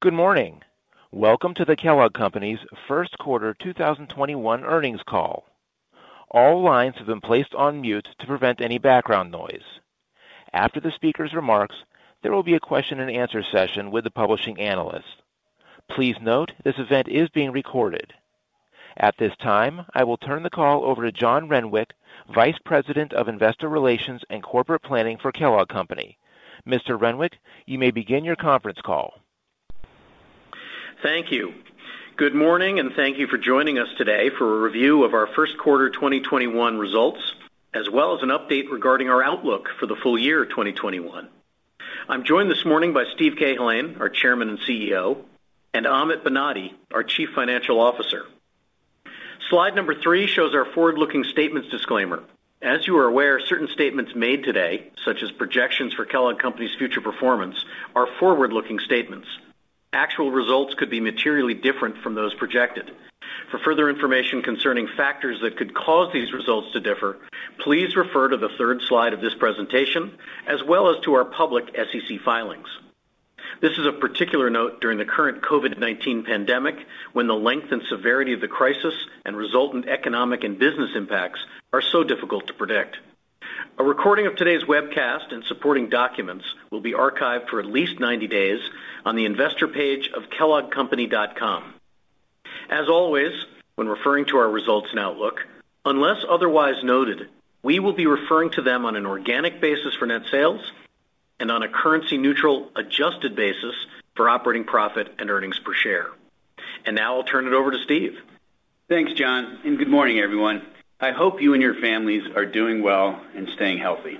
Good morning. Welcome to the Kellogg Company's first quarter 2021 earnings call. All lines have been placed on mute to prevent any background noise. After the speaker's remarks, there will be a question and answer session with the publishing analyst. Please note, this event is being recorded. At this time, I will turn the call over to John Renwick, Vice President of Investor Relations and Corporate Planning for Kellogg Company. Mr. Renwick, you may begin your conference call. Thank you. Good morning, and thank you for joining us today for a review of our first quarter 2021 results, as well as an update regarding our outlook for the full year 2021. I'm joined this morning by Steve Cahillane, our Chairman and CEO, and Amit Banati, our Chief Financial Officer. Slide number three shows our forward-looking statements disclaimer. As you are aware, certain statements made today, such as projections for Kellogg Company's future performance, are forward-looking statements. Actual results could be materially different from those projected. For further information concerning factors that could cause these results to differ, please refer to the third slide of this presentation, as well as to our public SEC filings. This is of particular note during the current COVID-19 pandemic, when the length and severity of the crisis and resultant economic and business impacts are so difficult to predict. A recording of today's webcast and supporting documents will be archived for at least 90 days on the investor page of kelloggcompany.com. As always, when referring to our results and outlook, unless otherwise noted, we will be referring to them on an organic basis for net sales and on a currency neutral, adjusted basis for operating profit and earnings per share. Now I'll turn it over to Steve. Thanks, John. Good morning, everyone. I hope you and your families are doing well and staying healthy.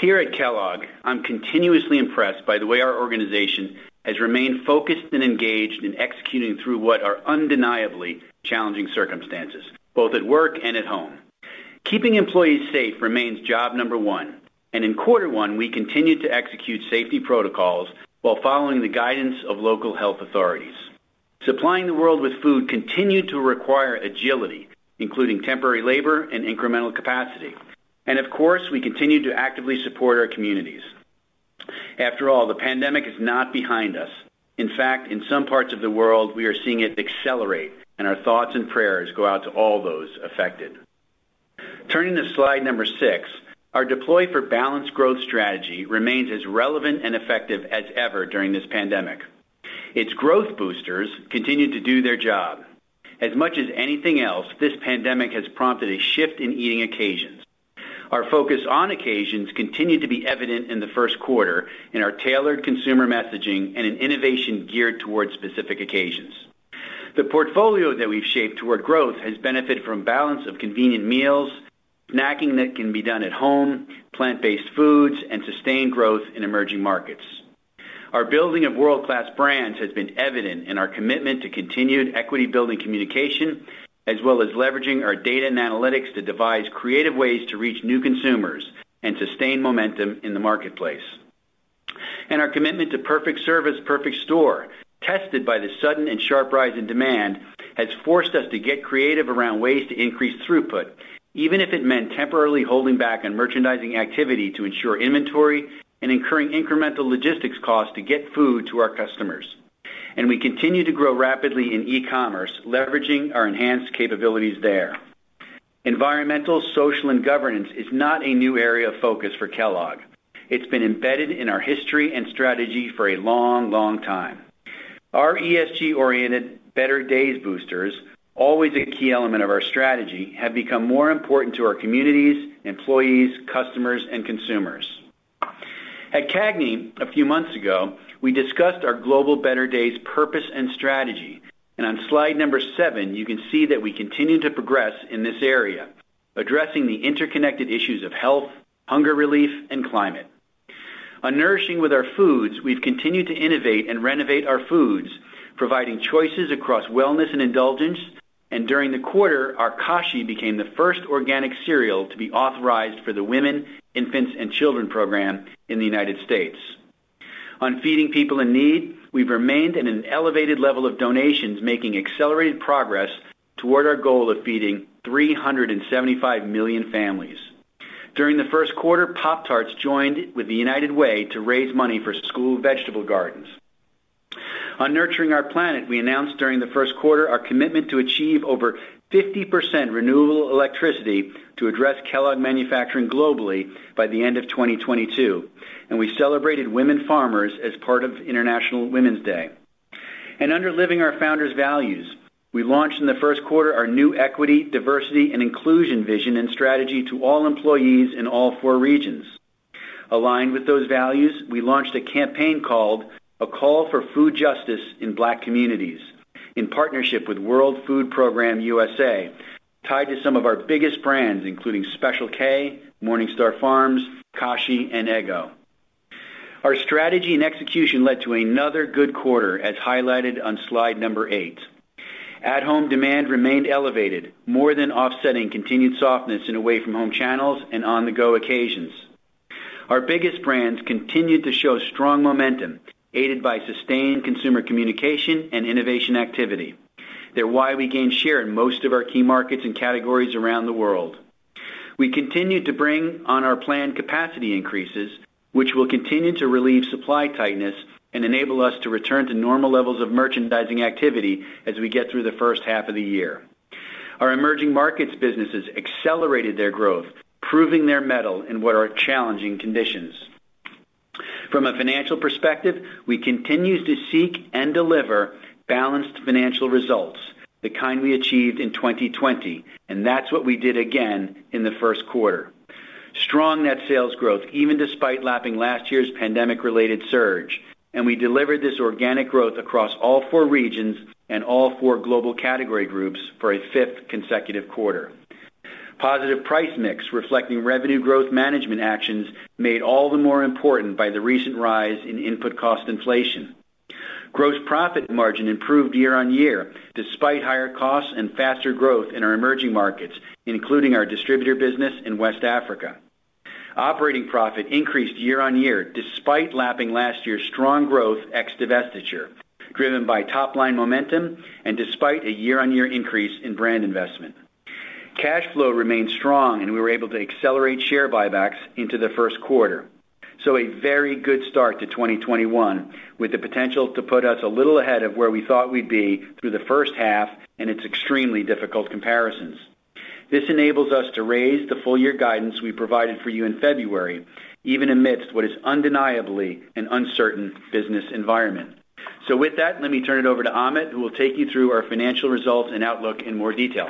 Here at Kellogg, I'm continuously impressed by the way our organization has remained focused and engaged in executing through what are undeniably challenging circumstances, both at work and at home. Keeping employees safe remains job number one, and in quarter one, we continued to execute safety protocols while following the guidance of local health authorities. Supplying the world with food continued to require agility, including temporary labor and incremental capacity. Of course, we continued to actively support our communities. After all, the pandemic is not behind us. In fact, in some parts of the world, we are seeing it accelerate, and our thoughts and prayers go out to all those affected. Turning to slide number six, our Deploy for Balanced Growth strategy remains as relevant and effective as ever during this pandemic. Its growth boosters continued to do their job. As much as anything else, this pandemic has prompted a shift in eating occasions. Our focus on occasions continued to be evident in the first quarter in our tailored consumer messaging and in innovation geared towards specific occasions. The portfolio that we've shaped toward growth has benefited from balance of convenient meals, snacking that can be done at home, plant-based foods, and sustained growth in emerging markets. Our building of world-class brands has been evident in our commitment to continued equity building communication, as well as leveraging our data and analytics to devise creative ways to reach new consumers and sustain momentum in the marketplace. Our commitment to perfect service, perfect store, tested by the sudden and sharp rise in demand, has forced us to get creative around ways to increase throughput, even if it meant temporarily holding back on merchandising activity to ensure inventory and incurring incremental logistics costs to get food to our customers. We continue to grow rapidly in e-commerce, leveraging our enhanced capabilities there. Environmental, social, and governance is not a new area of focus for Kellogg. It's been embedded in our history and strategy for a long time. Our ESG-oriented Better Days Promise, always a key element of our strategy, have become more important to our communities, employees, customers, and consumers. At CAGNY, a few months ago, we discussed our global Better Days purpose and strategy, and on slide number seven, you can see that we continue to progress in this area, addressing the interconnected issues of health, hunger relief, and climate. On nourishing with our foods, we've continued to innovate and renovate our foods, providing choices across wellness and indulgence, and during the quarter, our Kashi became the first organic cereal to be authorized for the Women, Infants, and Children program in the United States. On feeding people in need, we've remained at an elevated level of donations, making accelerated progress toward our goal of feeding 375 million families. During the first quarter, Pop-Tarts joined with the United Way to raise money for school vegetable gardens. On nurturing our planet, we announced during the first quarter our commitment to achieve over 50% renewable electricity to address Kellogg manufacturing globally by the end of 2022. We celebrated women farmers as part of International Women's Day. Under Living Our Founder's Values, we launched in the first quarter our new equity, diversity, and inclusion vision and strategy to all employees in all four regions. Aligned with those values, we launched a campaign called A Call for Food Justice in Black Communities in partnership with World Food Program USA, tied to some of our biggest brands, including Special K, MorningStar Farms, Kashi, and Eggo. Our strategy and execution led to another good quarter, as highlighted on slide number eight. At-home demand remained elevated, more than offsetting continued softness in away from home channels and on-the-go occasions. Our biggest brands continued to show strong momentum, aided by sustained consumer communication and innovation activity. They're why we gained share in most of our key markets and categories around the world. We continued to bring on our planned capacity increases, which will continue to relieve supply tightness and enable us to return to normal levels of merchandising activity as we get through the first half of the year. Our emerging markets businesses accelerated their growth, proving their mettle in what are challenging conditions. From a financial perspective, we continue to seek and deliver balanced financial results, the kind we achieved in 2020, and that's what we did again in the first quarter. Strong net sales growth, even despite lapping last year's pandemic-related surge, and we delivered this organic growth across all four regions and all four global category groups for a fifth consecutive quarter. Positive price mix reflecting revenue growth management actions made all the more important by the recent rise in input cost inflation. Gross profit margin improved year-on-year despite higher costs and faster growth in our emerging markets, including our distributor business in West Africa. Operating profit increased year-on-year despite lapping last year's strong growth ex divestiture, driven by top-line momentum and despite a year-on-year increase in brand investment. We were able to accelerate share buybacks into the first quarter. A very good start to 2021, with the potential to put us a little ahead of where we thought we'd be through the first half and its extremely difficult comparisons. This enables us to raise the full year guidance we provided for you in February, even amidst what is undeniably an uncertain business environment. With that, let me turn it over to Amit, who will take you through our financial results and outlook in more detail.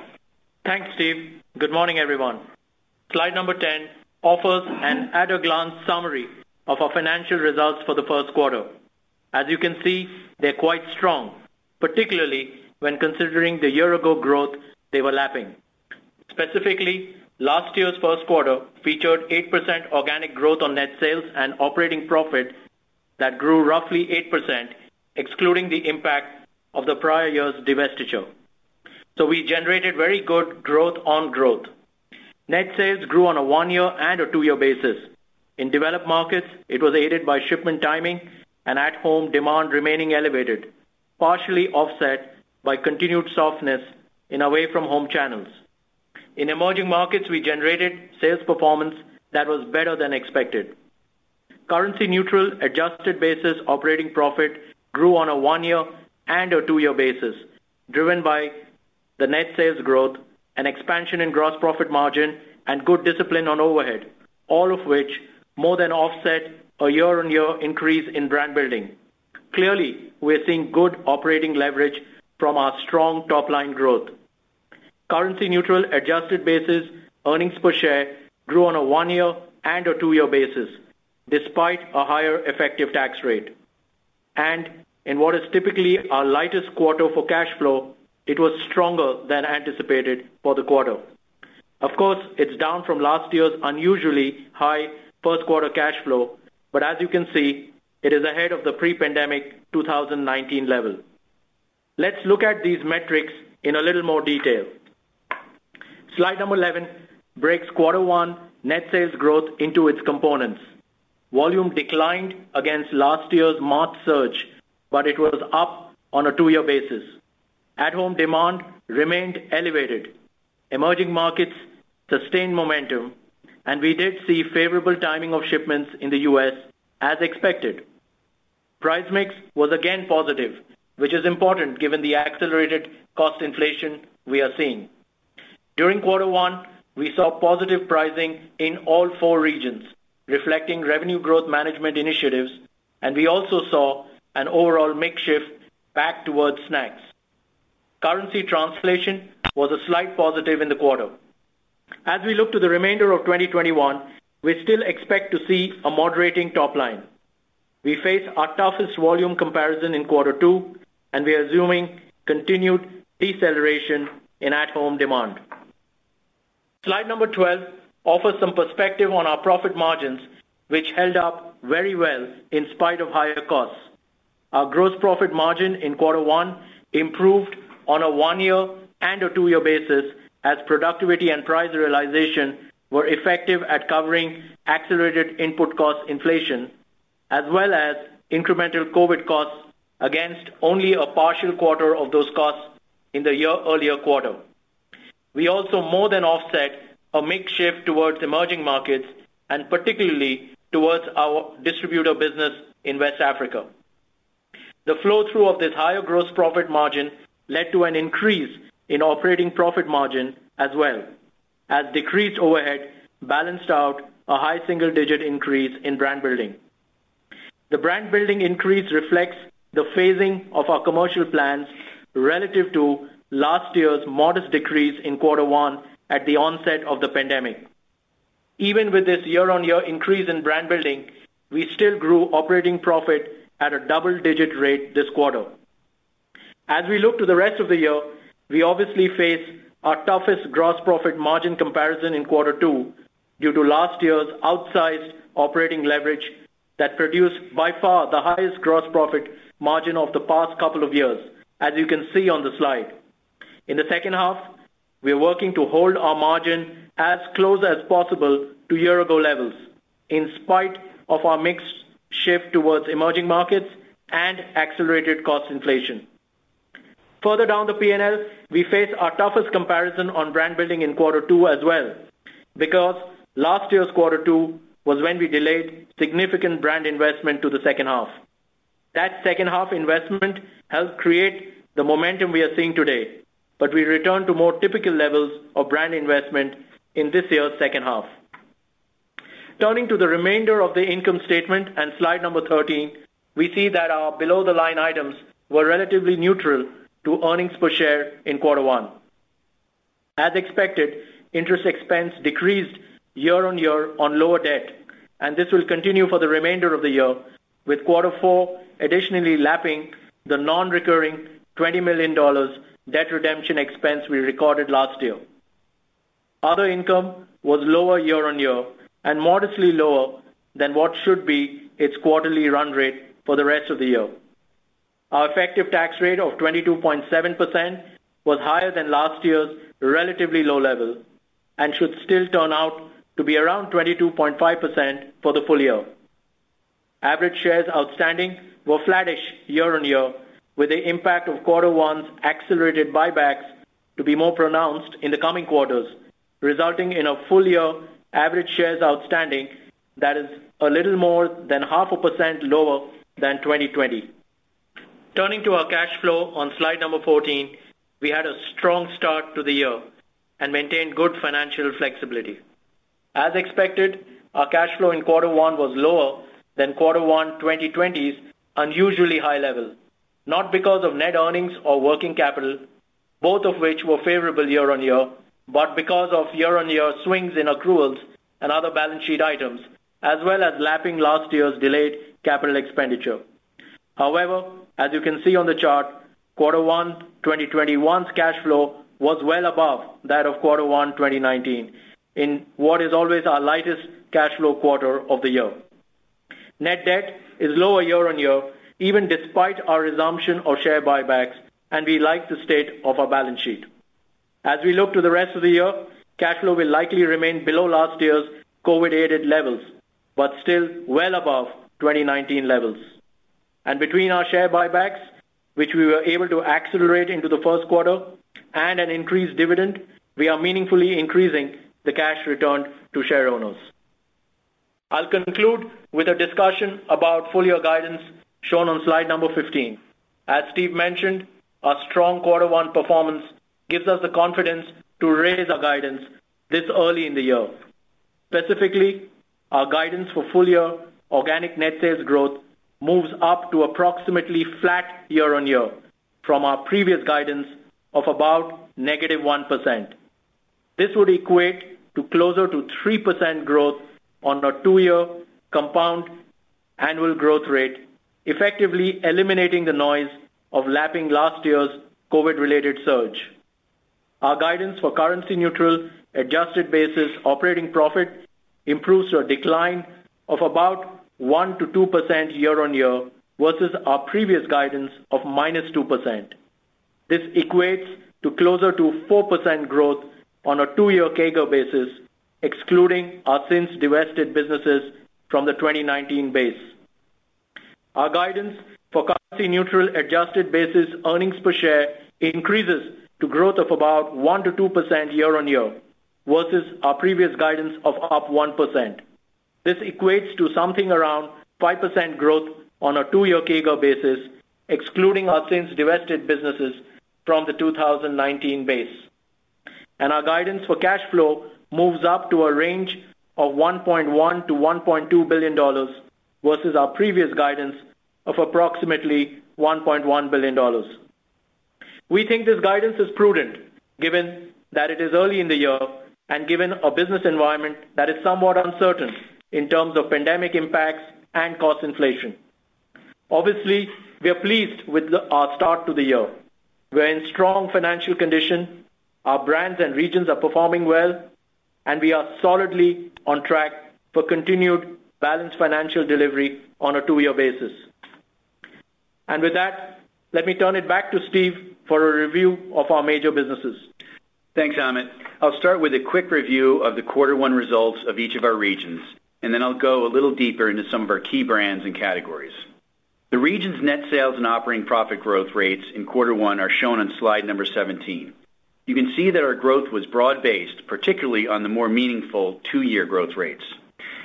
Thanks, Steve. Good morning, everyone. Slide number 10 offers an at-a-glance summary of our financial results for the first quarter. As you can see, they're quite strong, particularly when considering the year ago growth they were lapping. Specifically, last year's first quarter featured 8% organic growth on net sales and operating profit that grew roughly 8%, excluding the impact of the prior year's divestiture. We generated very good growth on growth. Net sales grew on a one-year and a two-year basis. In Developed Markets, it was aided by shipment timing and at-home demand remaining elevated, partially offset by continued softness in away-from-home channels. In Emerging Markets, we generated sales performance that was better than expected. Currency neutral adjusted basis operating profit grew on a one-year and a two-year basis, driven by the net sales growth and expansion in gross profit margin and good discipline on overhead, all of which more than offset a year-on-year increase in brand building. Clearly, we are seeing good operating leverage from our strong top-line growth. Currency neutral adjusted basis earnings per share grew on a one-year and a two-year basis, despite a higher effective tax rate. In what is typically our lightest quarter for cash flow, it was stronger than anticipated for the quarter. Of course, it's down from last year's unusually high first quarter cash flow, but as you can see, it is ahead of the pre-pandemic 2019 level. Let's look at these metrics in a little more detail. Slide number 11 breaks quarter one net sales growth into its components. Volume declined against last year's marked surge, but it was up on a two-year basis. At-home demand remained elevated. Emerging markets sustained momentum, and we did see favorable timing of shipments in the U.S. as expected. Price mix was again positive, which is important given the accelerated cost inflation we are seeing. During quarter one, we saw positive pricing in all four regions, reflecting revenue growth management initiatives, and we also saw an overall mix shift back towards snacks. Currency translation was a slight positive in the quarter. As we look to the remainder of 2021, we still expect to see a moderating top line. We face our toughest volume comparison in quarter two, and we are assuming continued deceleration in at-home demand. Slide number 12 offers some perspective on our profit margins, which held up very well in spite of higher costs. Our gross profit margin in quarter one improved on a one-year and a two-year basis as productivity and price realization were effective at covering accelerated input cost inflation, as well as incremental COVID-19 costs against only a partial quarter of those costs in the year-earlier quarter. We also more than offset a mix shift towards emerging markets, and particularly towards our distributor business in West Africa. The flow-through of this higher gross profit margin led to an increase in operating profit margin as well, as decreased overhead balanced out a high single-digit increase in brand building. The brand building increase reflects the phasing of our commercial plans relative to last year's modest decrease in quarter one at the onset of the pandemic. Even with this year-on-year increase in brand building, we still grew operating profit at a double-digit rate this quarter. As we look to the rest of the year, we obviously face our toughest gross profit margin comparison in quarter two due to last year's outsized operating leverage that produced by far the highest gross profit margin of the past couple of years, as you can see on the slide. In the second half, we are working to hold our margin as close as possible to year-ago levels, in spite of our mix shift towards emerging markets and accelerated cost inflation. Further down the P&L, we face our toughest comparison on brand building in quarter two as well, because last year's quarter two was when we delayed significant brand investment to the second half. That second half investment helped create the momentum we are seeing today, we return to more typical levels of brand investment in this year's second half. Turning to the remainder of the income statement and slide number 13, we see that our below the line items were relatively neutral to earnings per share in quarter one. As expected, interest expense decreased year-on-year on lower debt, and this will continue for the remainder of the year, with quarter four additionally lapping the non-recurring $20 million debt redemption expense we recorded last year. Other income was lower year-on-year and modestly lower than what should be its quarterly run rate for the rest of the year. Our effective tax rate of 22.7% was higher than last year's relatively low level and should still turn out to be around 22.5% for the full year. Average shares outstanding were flattish year-on-year, with the impact of quarter one's accelerated buybacks to be more pronounced in the coming quarters, resulting in a full-year average shares outstanding that is a little more than half a percent lower than 2020. Turning to our cash flow on slide number 14, we had a strong start to the year and maintained good financial flexibility. As expected, our cash flow in quarter one was lower than quarter one 2020's unusually high level, not because of net earnings or working capital, both of which were favorable year-on-year, but because of year-on-year swings in accruals and other balance sheet items, as well as lapping last year's delayed capital expenditure. However, as you can see on the chart, quarter one 2021's cash flow was well above that of quarter one 2019, in what is always our lightest cash flow quarter of the year. Net debt is lower year-on-year, even despite our resumption of share buybacks, and we like the state of our balance sheet. As we look to the rest of the year, cash flow will likely remain below last year's COVID-aided levels, but still well above 2019 levels. Between our share buybacks, which we were able to accelerate into the first quarter, and an increased dividend, we are meaningfully increasing the cash returned to share owners. I'll conclude with a discussion about full-year guidance shown on slide number 15. As Steve mentioned, our strong quarter one performance gives us the confidence to raise our guidance this early in the year. Specifically, our guidance for full-year organic net sales growth moves up to approximately flat year-on-year from our previous guidance of about -1%. This would equate to closer to 3% growth on a two-year compound annual growth rate, effectively eliminating the noise of lapping last year's COVID-related surge. Our guidance for currency neutral adjusted basis operating profit improves to a decline of about 1%-2% year-on-year versus our previous guidance of -2%. This equates to closer to 4% growth on a two-year CAGR basis, excluding our since divested businesses from the 2019 base. Our guidance for currency neutral adjusted basis earnings per share increases to growth of about 1%-2% year-on-year versus our previous guidance of +1%. This equates to something around 5% growth on a two-year CAGR basis, excluding our since divested businesses from the 2019 base. Our guidance for cash flow moves up to a range of $1.1 billion-$1.2 billion versus our previous guidance of approximately $1.1 billion. We think this guidance is prudent given that it is early in the year and given a business environment that is somewhat uncertain in terms of pandemic impacts and cost inflation. Obviously, we are pleased with our start to the year. We're in strong financial condition. Our brands and regions are performing well, and we are solidly on track for continued balanced financial delivery on a two-year basis. With that, let me turn it back to Steve for a review of our major businesses. Thanks, Amit. I'll start with a quick review of the quarter one results of each of our regions, and then I'll go a little deeper into some of our key brands and categories. The region's net sales and operating profit growth rates in quarter one are shown on slide number 17. You can see that our growth was broad-based, particularly on the more meaningful two-year growth rates.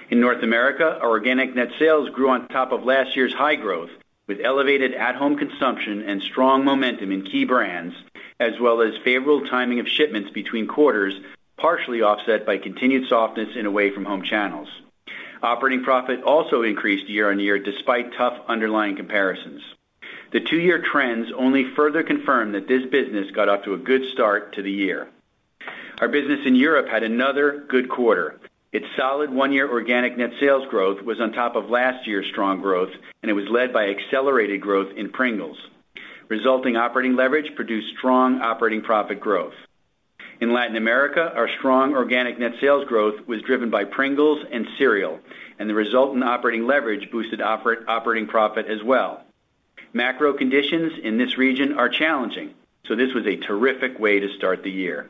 In North America, our organic net sales grew on top of last year's high growth with elevated at-home consumption and strong momentum in key brands, as well as favorable timing of shipments between quarters, partially offset by continued softness in away from home channels. Operating profit also increased year-on-year despite tough underlying comparisons. The two-year trends only further confirm that this business got off to a good start to the year. Our business in Europe had another good quarter. Its solid one-year organic net sales growth was on top of last year's strong growth, it was led by accelerated growth in Pringles. Resulting operating leverage produced strong operating profit growth. In Latin America, our strong organic net sales growth was driven by Pringles and cereal, the resultant operating leverage boosted operating profit as well. Macro conditions in this region are challenging, this was a terrific way to start the year.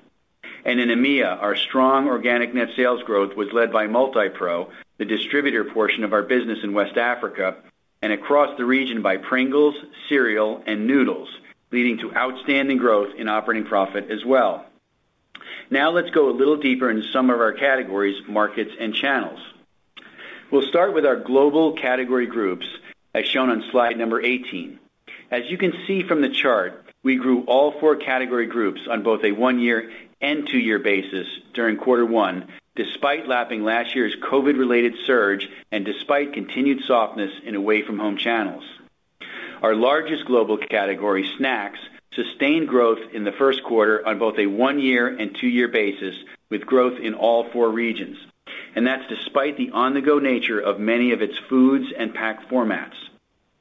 In EMEA, our strong organic net sales growth was led by Multipro, the distributor portion of our business in West Africa, and across the region by Pringles, cereal, and noodles, leading to outstanding growth in operating profit as well. Now let's go a little deeper into some of our categories, markets, and channels. We'll start with our global category groups, as shown on slide number 18. As you can see from the chart, we grew all four category groups on both a one-year and two-year basis during Q1, despite lapping last year's COVID-related surge and despite continued softness in away-from-home channels. Our largest global category, snacks, sustained growth in the first quarter on both a one-year and two-year basis, with growth in all four regions. That's despite the on-the-go nature of many of its foods and pack formats.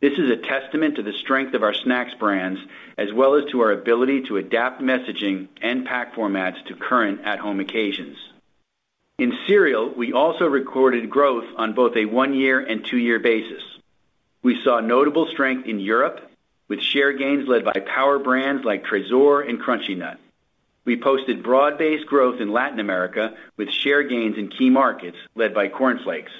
This is a testament to the strength of our snacks brands, as well as to our ability to adapt messaging and pack formats to current at-home occasions. In cereal, we also recorded growth on both a one-year and two-year basis. We saw notable strength in Europe, with share gains led by power brands like Tresor and Crunchy Nut. We posted broad-based growth in Latin America, with share gains in key markets led by Corn Flakes.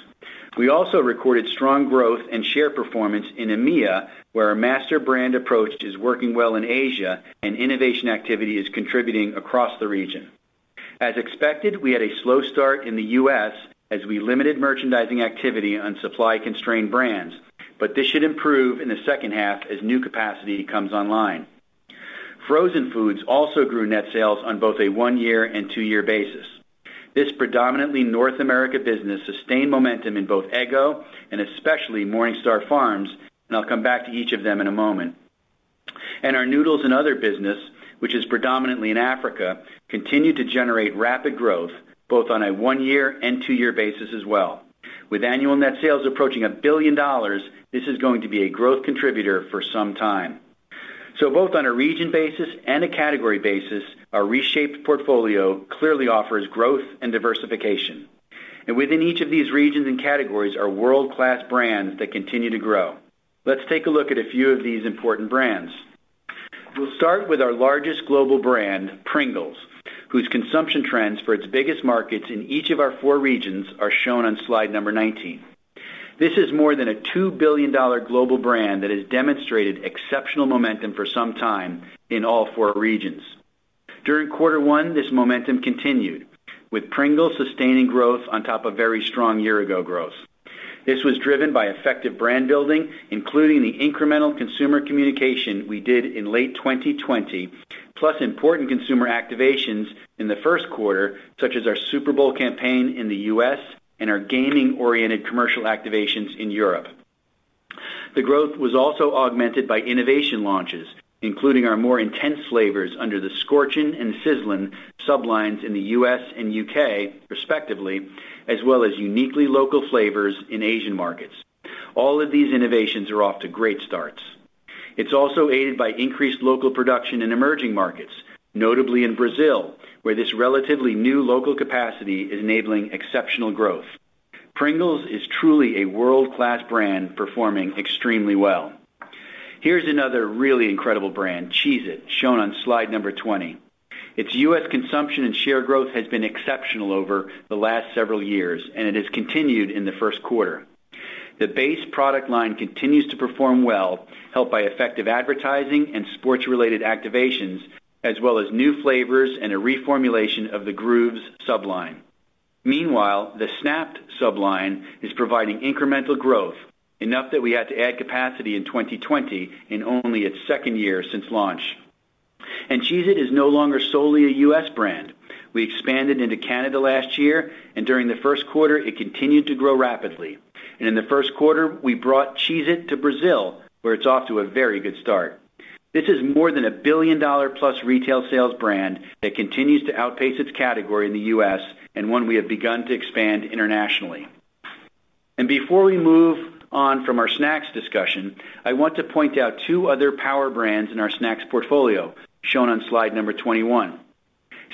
We also recorded strong growth and share performance in EMEA, where our master brand approach is working well in Asia and innovation activity is contributing across the region. As expected, we had a slow start in the U.S. as we limited merchandising activity on supply-constrained brands, but this should improve in the second half as new capacity comes online. Frozen foods also grew net sales on both a one-year and two-year basis. This predominantly North America business sustained momentum in both Eggo and especially MorningStar Farms, and I'll come back to each of them in a moment. Our noodles and other business, which is predominantly in Africa, continued to generate rapid growth both on a one-year and two-year basis as well. With annual net sales approaching $1 billion, this is going to be a growth contributor for some time. Both on a region basis and a category basis, our reshaped portfolio clearly offers growth and diversification. Within each of these regions and categories are world-class brands that continue to grow. Let's take a look at a few of these important brands. We'll start with our largest global brand, Pringles, whose consumption trends for its biggest markets in each of our four regions are shown on slide number 19. This is more than a $2 billion global brand that has demonstrated exceptional momentum for some time in all four regions. During quarter one, this momentum continued, with Pringles sustaining growth on top of very strong year-ago growth. This was driven by effective brand building, including the incremental consumer communication we did in late 2020, plus important consumer activations in the first quarter, such as our Super Bowl campaign in the U.S., and our gaming-oriented commercial activations in Europe. The growth was also augmented by innovation launches, including our more intense flavors under the Scorchin' and Sizzl'n sub-lines in the U.S. and U.K., respectively, as well as uniquely local flavors in Asian markets. All of these innovations are off to great starts. It's also aided by increased local production in emerging markets, notably in Brazil, where this relatively new local capacity is enabling exceptional growth. Pringles is truly a world-class brand, performing extremely well. Here's another really incredible brand, Cheez-It, shown on slide number 20. Its U.S. consumption and share growth has been exceptional over the last several years, and it has continued in the first quarter. The base product line continues to perform well, helped by effective advertising and sports-related activations, as well as new flavors and a reformulation of the Grooves sub-line. Meanwhile, the Snap'd sub-line is providing incremental growth, enough that we had to add capacity in 2020 in only its second year since launch. Cheez-It is no longer solely a U.S. brand. We expanded into Canada last year, and during the first quarter, it continued to grow rapidly. In the first quarter, we brought Cheez-It to Brazil, where it's off to a very good start. This is more than a billion-dollar-plus retail sales brand that continues to outpace its category in the U.S. and one we have begun to expand internationally. Before we move on from our snacks discussion, I want to point out two other power brands in our snacks portfolio, shown on slide number 21.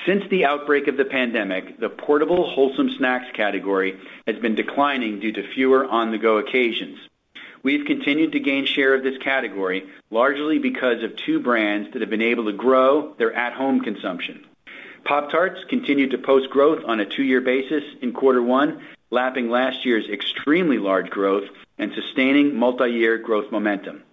Since the outbreak of the pandemic, the portable wholesome snacks category has been declining due to fewer on-the-go occasions. We've continued to gain share of this category, largely because of two brands that have been able to grow their at-home consumption. Pop-Tarts continued to post growth on a two-year basis in Q1, lapping last year's extremely large growth and sustaining multiyear growth momentum.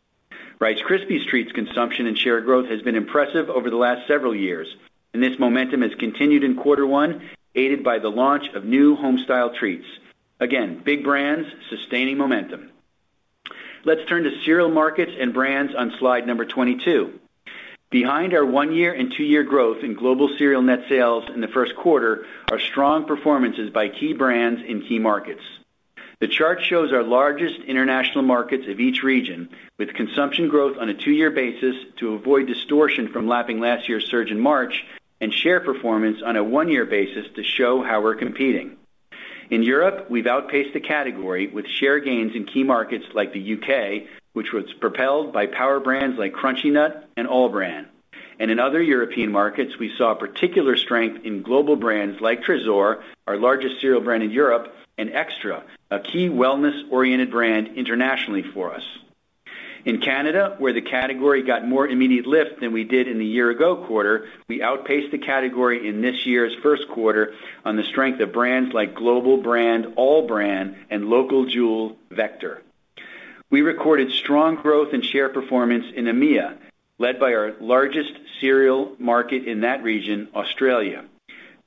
Rice Krispies Treats consumption and share growth has been impressive over the last several years, and this momentum has continued in Q1, aided by the launch of new home-style treats. Again, big brands sustaining momentum. Let's turn to cereal markets and brands on slide number 22. Behind our one-year and two-year growth in global cereal net sales in the first quarter are strong performances by key brands in key markets. The chart shows our largest international markets of each region, with consumption growth on a two-year basis to avoid distortion from lapping last year's surge in March, and share performance on a one-year basis to show how we're competing. In Europe, we've outpaced the category with share gains in key markets like the U.K., which was propelled by power brands like Crunchy Nut and All-Bran. In other European markets, we saw particular strength in global brands like Tresor, our largest cereal brand in Europe, and Extra, a key wellness-oriented brand internationally for us. In Canada, where the category got more immediate lift than we did in the year-ago quarter, we outpaced the category in this year's first quarter on the strength of brands like global brand All-Bran and local jewel Vector. We recorded strong growth in share performance in EMEA, led by our largest cereal market in that region, Australia.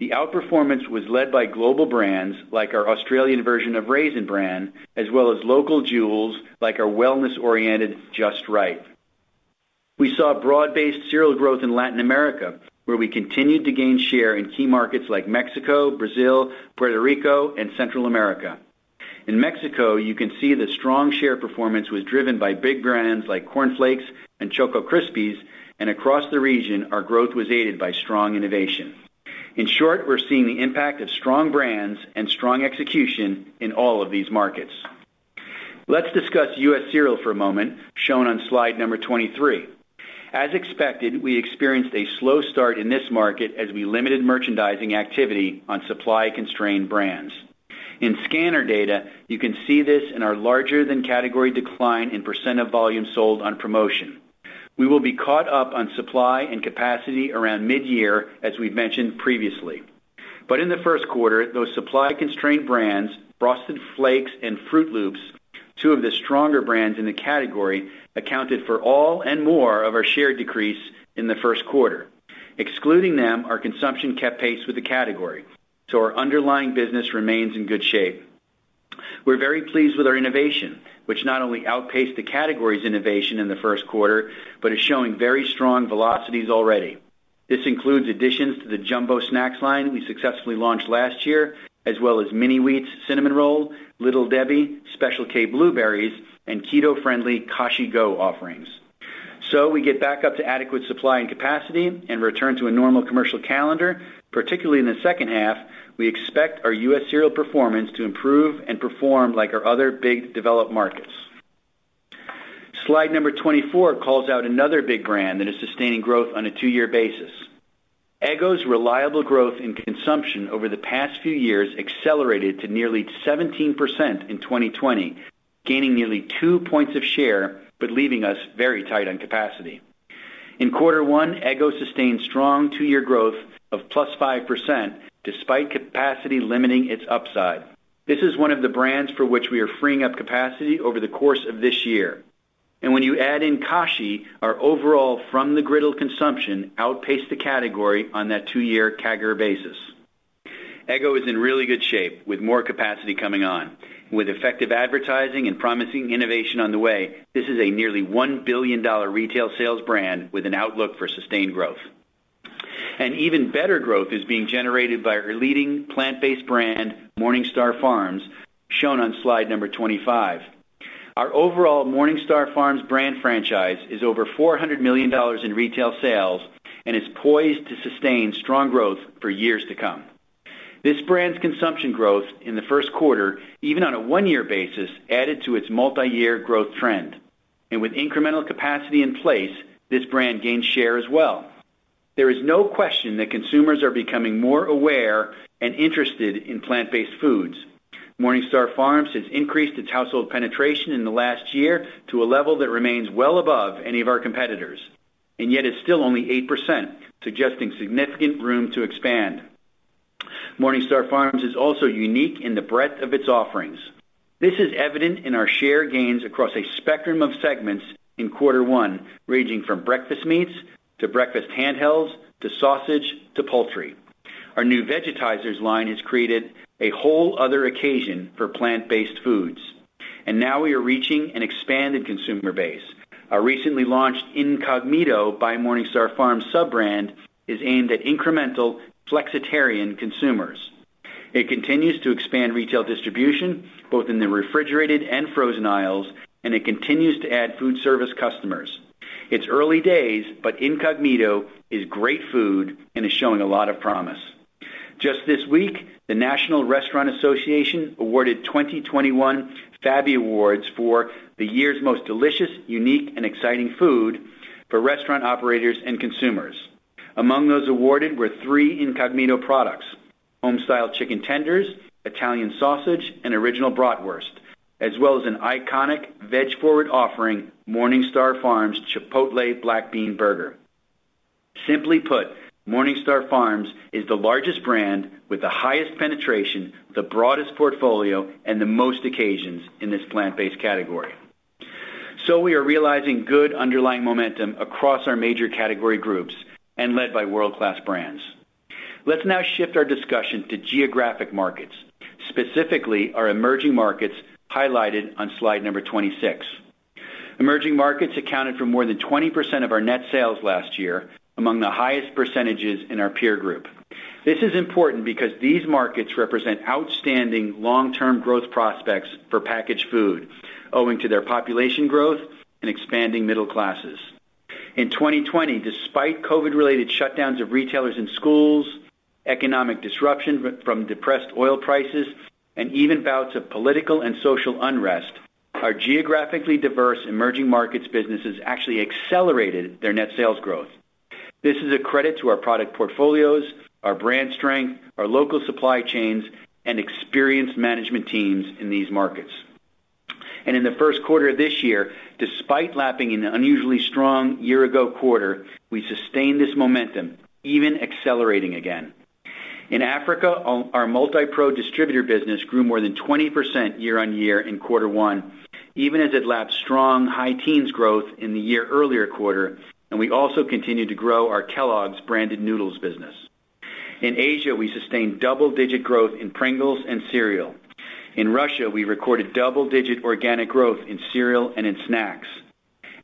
The outperformance was led by global brands like our Australian version of Raisin Bran, as well as local jewels like our wellness-oriented Just Right. We saw broad-based cereal growth in Latin America, where we continued to gain share in key markets like Mexico, Brazil, Puerto Rico, and Central America. In Mexico, you can see the strong share performance was driven by big brands like Corn Flakes and Choco Krispies. Across the region, our growth was aided by strong innovation. In short, we're seeing the impact of strong brands and strong execution in all of these markets. Let's discuss U.S. cereal for a moment, shown on slide number 23. As expected, we experienced a slow start in this market as we limited merchandising activity on supply-constrained brands. In scanner data, you can see this in our larger than category decline in percent of volume sold on promotion. We will be caught up on supply and capacity around mid-year, as we've mentioned previously. In the first quarter, those supply-constrained brands, Frosted Flakes and Froot Loops, two of the stronger brands in the category, accounted for all and more of our share decrease in the first quarter. Excluding them, our consumption kept pace with the category, so our underlying business remains in good shape. We're very pleased with our innovation, which not only outpaced the category's innovation in the first quarter, but is showing very strong velocities already. This includes additions to the Jumbo Snax line we successfully launched last year, as well as Frosted Mini-Wheats Cinnamon Roll, Little Debbie, Special K Blueberry, and keto-friendly Kashi GO offerings. We get back up to adequate supply and capacity and return to a normal commercial calendar, particularly in the second half, we expect our U.S. cereal performance to improve and perform like our other big developed markets. Slide number 24 calls out another big brand that is sustaining growth on a two-year basis. Eggo's reliable growth in consumption over the past few years accelerated to nearly 17% in 2020, gaining nearly two points of share, but leaving us very tight on capacity. In quarter one, Eggo sustained strong two-year growth of +5%, despite capacity limiting its upside. This is one of the brands for which we are freeing up capacity over the course of this year. When you add in Kashi, our overall from-the-griddle consumption outpaced the category on that two-year CAGR basis. Eggo is in really good shape with more capacity coming on. With effective advertising and promising innovation on the way, this is a nearly $1 billion retail sales brand with an outlook for sustained growth. Even better growth is being generated by our leading plant-based brand, MorningStar Farms, shown on slide number 25. Our overall MorningStar Farms brand franchise is over $400 million in retail sales and is poised to sustain strong growth for years to come. This brand's consumption growth in the first quarter, even on a one-year basis, added to its multi-year growth trend. With incremental capacity in place, this brand gained share as well. There is no question that consumers are becoming more aware and interested in plant-based foods. MorningStar Farms has increased its household penetration in the last year to a level that remains well above any of our competitors, and yet is still only 8%, suggesting significant room to expand. MorningStar Farms is also unique in the breadth of its offerings. This is evident in our share gains across a spectrum of segments in quarter one, ranging from breakfast meats to breakfast handhelds, to sausage, to poultry. Our new Veggies line has created a whole other occasion for plant-based foods, and now we are reaching an expanded consumer base. Our recently launched Incogmeato by MorningStar Farms sub-brand is aimed at incremental flexitarian consumers. It continues to expand retail distribution, both in the refrigerated and frozen aisles, and it continues to add food service customers. It's early days, but Incogmeato is great food and is showing a lot of promise. Just this week, the National Restaurant Association awarded 2021 FABI awards for the year's most delicious, unique, and exciting food for restaurant operators and consumers. Among those awarded were three Incogmeato products, Homestyle Chik'n Tenders, Italian Sausage, and Original Bratwurst, as well as an iconic veg-forward offering, MorningStar Farms Chipotle Black Bean Burger. Simply put, MorningStar Farms is the largest brand with the highest penetration, the broadest portfolio, and the most occasions in this plant-based category. We are realizing good underlying momentum across our major category groups and led by world-class brands. Let's now shift our discussion to geographic markets, specifically our Emerging Markets highlighted on slide number 26. Emerging Markets accounted for more than 20% of our net sales last year, among the highest percentages in our peer group. This is important because these markets represent outstanding long-term growth prospects for packaged food, owing to their population growth and expanding middle classes. In 2020, despite COVID-related shutdowns of retailers and schools, economic disruption from depressed oil prices, and even bouts of political and social unrest, our geographically diverse emerging markets businesses actually accelerated their net sales growth. This is a credit to our product portfolios, our brand strength, our local supply chains, and experienced management teams in these markets. In the first quarter of this year, despite lapping an unusually strong year ago quarter, we sustained this momentum, even accelerating again. In Africa, our Multipro distributor business grew more than 20% year-on-year in quarter one, even as it lapped strong high teens growth in the year earlier quarter, and we also continued to grow our Kellogg's branded noodles business. In Asia, we sustained double-digit growth in Pringles and cereal. In Russia, we recorded double-digit organic growth in cereal and in snacks.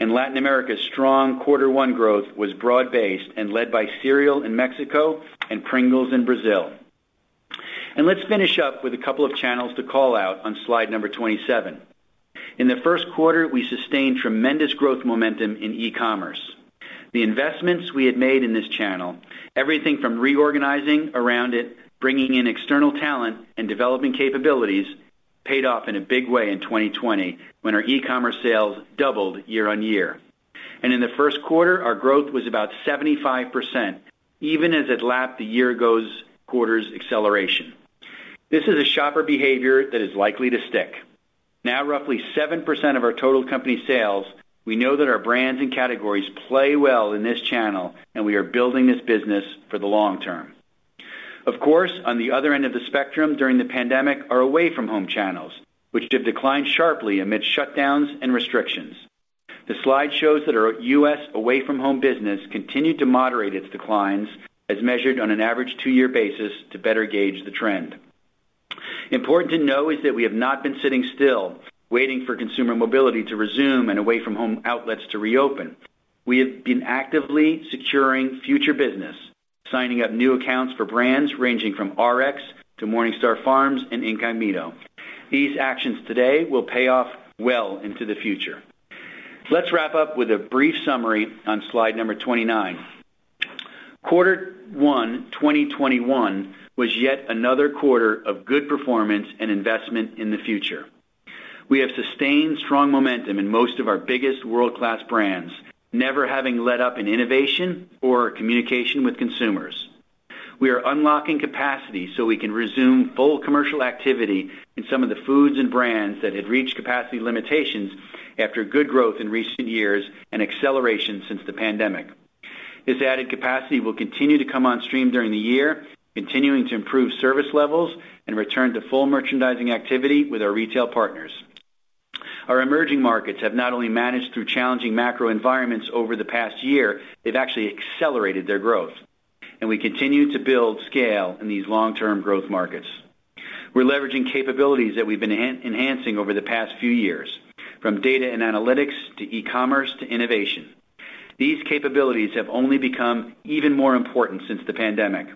In Latin America, strong quarter one growth was broad-based and led by cereal in Mexico and Pringles in Brazil. Let's finish up with a couple of channels to call out on slide number 27. In the first quarter, we sustained tremendous growth momentum in e-commerce. The investments we had made in this channel, everything from reorganizing around it, bringing in external talent, and developing capabilities, paid off in a big way in 2020, when our e-commerce sales doubled year-on-year. In the first quarter, our growth was about 75%, even as it lapped the year-ago quarters acceleration. This is a shopper behavior that is likely to stick. Now, roughly 7% of our total company sales, we know that our brands and categories play well in this channel, and we are building this business for the long term. Of course, on the other end of the spectrum during the pandemic are away from home channels, which have declined sharply amid shutdowns and restrictions. The slide shows that our U.S. away from home business continued to moderate its declines as measured on an average two-year basis to better gauge the trend. Important to know is that we have not been sitting still waiting for consumer mobility to resume and away from home outlets to reopen. We have been actively securing future business, signing up new accounts for brands ranging from RXBAR to MorningStar Farms and Incogmeato. These actions today will pay off well into the future. Let's wrap up with a brief summary on slide number 29. Quarter one 2021 was yet another quarter of good performance and investment in the future. We have sustained strong momentum in most of our biggest world-class brands, never having let up in innovation or communication with consumers. We are unlocking capacity so we can resume full commercial activity in some of the foods and brands that had reached capacity limitations after good growth in recent years and acceleration since the pandemic. This added capacity will continue to come on stream during the year, continuing to improve service levels and return to full merchandising activity with our retail partners. Our emerging markets have not only managed through challenging macro environments over the past year, they've actually accelerated their growth, and we continue to build scale in these long-term growth markets. We're leveraging capabilities that we've been enhancing over the past few years, from data and analytics to e-commerce to innovation. These capabilities have only become even more important since the pandemic.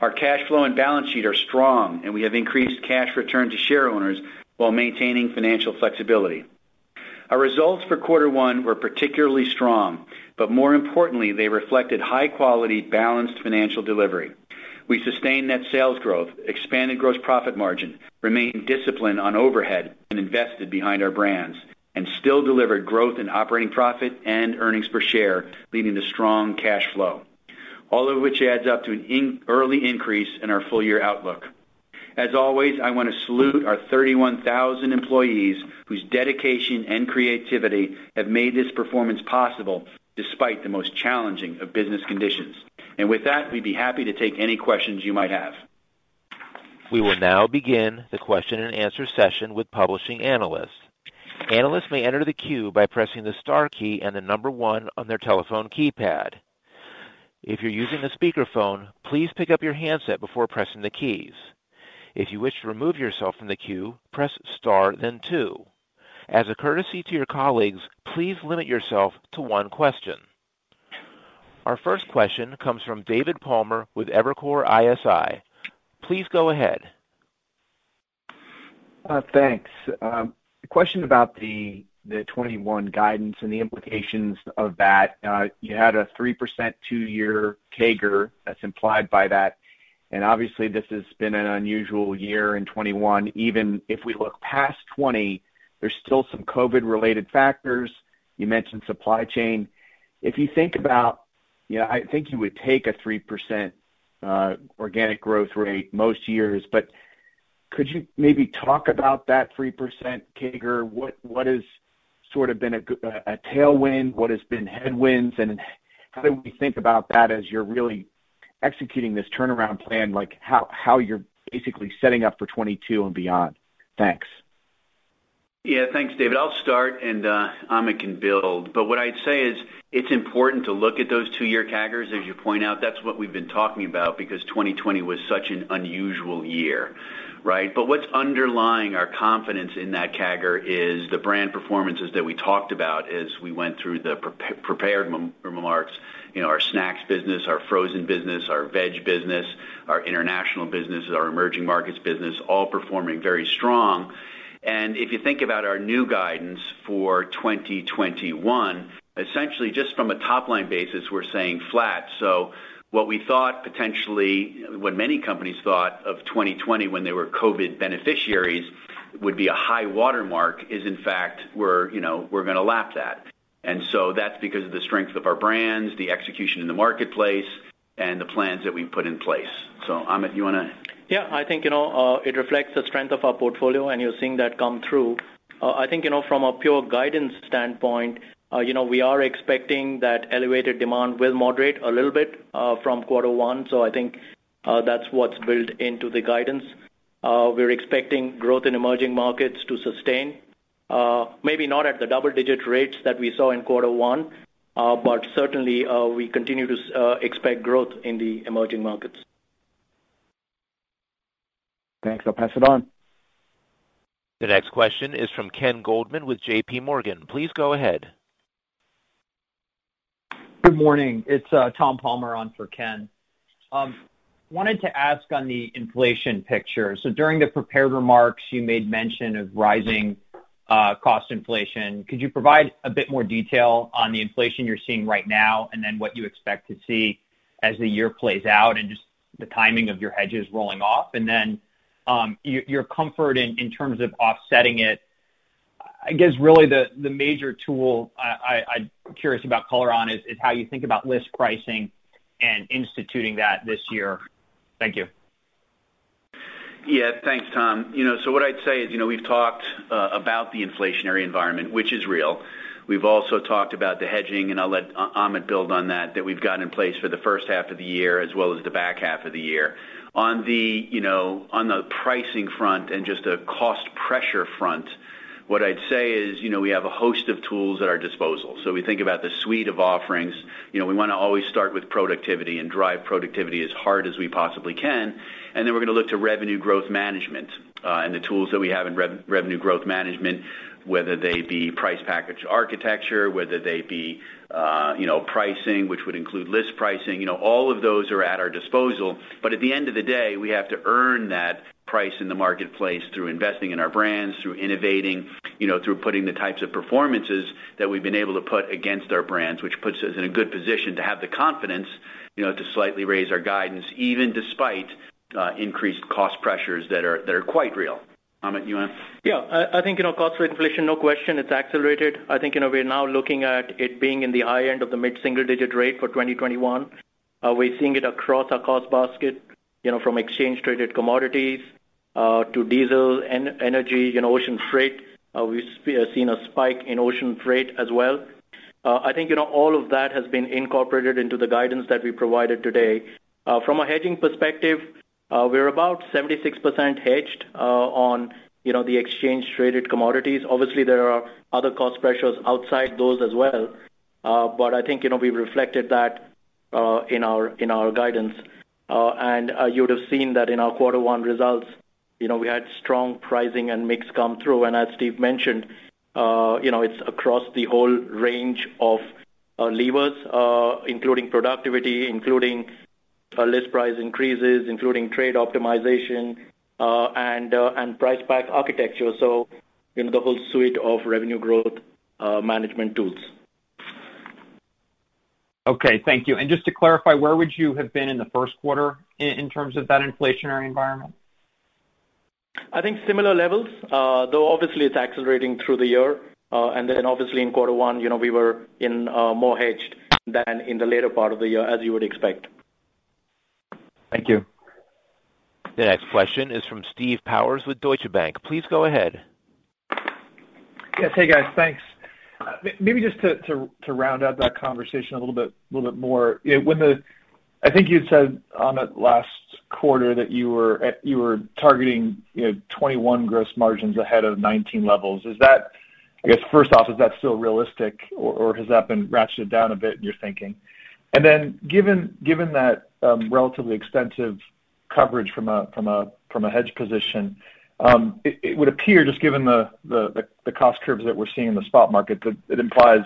Our cash flow and balance sheet are strong, and we have increased cash return to shareowners while maintaining financial flexibility. Our results for quarter one were particularly strong, but more importantly, they reflected high quality, balanced financial delivery. We sustained net sales growth, expanded gross profit margin, remained disciplined on overhead and invested behind our brands, and still delivered growth in operating profit and earnings per share, leading to strong cash flow. All of which adds up to an early increase in our full-year outlook. As always, I want to salute our 31,000 employees whose dedication and creativity have made this performance possible despite the most challenging of business conditions. With that, we'd be happy to take any questions you might have. We will now begin the question and answer session with publishing analysts. As a courtesy to your colleagues, please limit yourself to one question. Our 1st question comes from David Palmer with Evercore ISI. Please go ahead. Thanks. A question about the 2021 guidance and the implications of that. You had a 3% two-year CAGR that's implied by that. Obviously, this has been an unusual year in 2021. Even if we look past 2020, there's still some COVID-related factors. You mentioned supply chain. If you think about, I think you would take a 3% organic growth rate most years. Could you maybe talk about that 3% CAGR? What has sort of been a tailwind? What has been headwinds? How do we think about that as you're really executing this turnaround plan, like how you're basically setting up for 2022 and beyond? Thanks. Yeah, thanks, David. I'll start and Amit can build. What I'd say is it's important to look at those two-year CAGRs. As you point out, that's what we've been talking about because 2020 was such an unusual year, right. What's underlying our confidence in that CAGR is the brand performances that we talked about as we went through the prepared remarks. Our snacks business, our frozen business, our veg business, our international business, our emerging markets business, all performing very strong. If you think about our new guidance for 2021, essentially just from a top-line basis, we're saying flat. What we thought potentially, what many companies thought of 2020 when they were COVID-19 beneficiaries would be a high watermark is in fact, we're going to lap that. That's because of the strength of our brands, the execution in the marketplace, and the plans that we've put in place. Amit, you want to? Yeah, I think it reflects the strength of our portfolio, and you're seeing that come through. I think from a pure guidance standpoint, we are expecting that elevated demand will moderate a little bit from quarter one. I think that's what's built into the guidance. We're expecting growth in emerging markets to sustain, maybe not at the double-digit rates that we saw in quarter one, but certainly, we continue to expect growth in the emerging markets. Thanks. I'll pass it on. The next question is from Ken Goldman with JPMorgan. Please go ahead. Good morning. It's Tom Palmer on for Ken. I wanted to ask on the inflation picture. During the prepared remarks, you made mention of rising cost inflation. Could you provide a bit more detail on the inflation you're seeing right now and what you expect to see as the year plays out and just the timing of your hedges rolling off? Your comfort in terms of offsetting it. I guess really the major tool I'm curious about color on is how you think about list pricing and instituting that this year. Thank you. Yeah. Thanks, Tom. What I'd say is we've talked about the inflationary environment, which is real. We've also talked about the hedging, and I'll let Amit build on that we've got in place for the first half of the year as well as the back half of the year. On the pricing front and just a cost pressure front, what I'd say is we have a host of tools at our disposal. We think about the suite of offerings. We want to always start with productivity and drive productivity as hard as we possibly can. Then we're going to look to revenue growth management, and the tools that we have in revenue growth management, whether they be price package architecture, whether they be pricing, which would include list pricing, all of those are at our disposal. At the end of the day, we have to earn that price in the marketplace through investing in our brands, through innovating, through putting the types of performances that we've been able to put against our brands, which puts us in a good position to have the confidence to slightly raise our guidance, even despite increased cost pressures that are quite real. Amit, you want to? Yeah. I think cost of inflation, no question, it's accelerated. I think we're now looking at it being in the high end of the mid-single-digit rate for 2021. We're seeing it across our cost basket from exchange-traded commodities to diesel, energy, ocean freight. We've seen a spike in ocean freight as well. I think all of that has been incorporated into the guidance that we provided today. From a hedging perspective, we're about 76% hedged on the exchange-traded commodities. Obviously, there are other cost pressures outside those as well, but I think we've reflected that in our guidance. You would've seen that in our quarter one results, we had strong pricing and mix come through. As Steve mentioned, it's across the whole range of levers, including productivity, including list price increases, including trade optimization, and price pack architecture, so the whole suite of revenue growth management tools. Okay. Thank you. Just to clarify, where would you have been in the first quarter in terms of that inflationary environment? I think similar levels, though obviously it's accelerating through the year. Obviously in quarter one, we were more hedged than in the later part of the year as you would expect. Thank you. The next question is from Steve Powers with Deutsche Bank. Please go ahead. Yes. Hey, guys. Thanks. Maybe just to round out that conversation a little bit more. I think you had said, Amit, last quarter that you were targeting 2021 gross margins ahead of 2019 levels. I guess, first off, is that still realistic or has that been ratcheted down a bit in your thinking? Given that relatively extensive coverage from a hedge position, it would appear just given the cost curves that we're seeing in the spot market, that it implies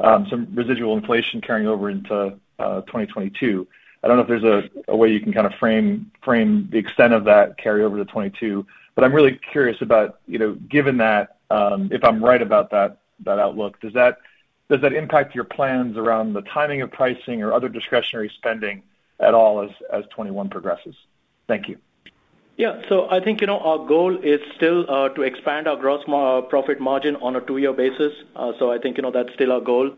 some residual inflation carrying over into 2022. I don't know if there's a way you can kind of frame the extent of that carry over to 2022, I'm really curious about given that, if I'm right about that outlook, does that impact your plans around the timing of pricing or other discretionary spending at all as 2021 progresses? Thank you. Yeah. I think our goal is still to expand our gross profit margin on a two-year basis. I think that's still our goal.